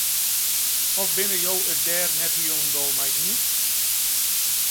Of binne jo it dêr net hielendal mei iens?